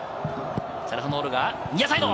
チャルハノールがニアサイド。